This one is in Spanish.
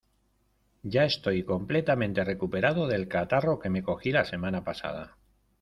Ya estoy completamente recuperado del catarro que me cogí la semana pasada.